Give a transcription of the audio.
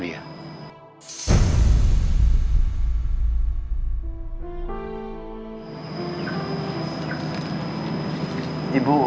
tidak ada yang bisa om hubungi